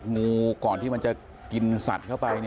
งูก่อนที่มันจะกินสัตว์เข้าไป